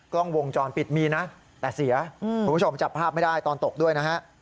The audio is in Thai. กล้องวงจรปิดมีนะแต่เสียคุณผู้ชมจับภาพไม่ได้ตอนตกด้วยนะฮะ